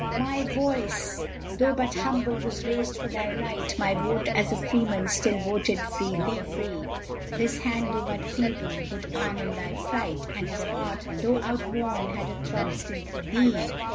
My voice, though but humble, was raised for thy right: My vote, as a freeman's, still voted thee free; This hand, though but feeble, would arm in thy fight, And this heart, though outworn, had a throb still for thee!